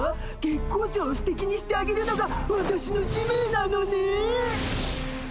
月光町をすてきにしてあげるのがわたしの使命なのね。